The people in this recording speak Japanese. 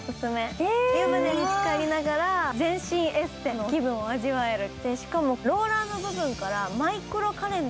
湯船につかりながら全身エステの気分を味わえるの。